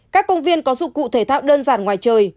các công viên có dụng cụ thể thao đơn giản ngoài trời